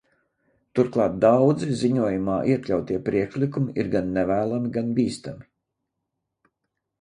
Turklāt daudzi ziņojumā iekļautie priekšlikumi ir gan nevēlami, gan bīstami.